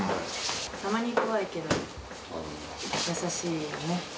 たまに怖いけど、優しいね。